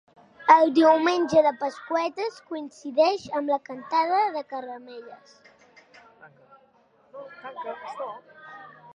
El diumenge de Pasqüetes coincideix amb la cantada de Caramelles.